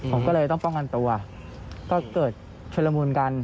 ผมก็เลยต้องป้องกันตัวก็เกิดชุลมูลกัน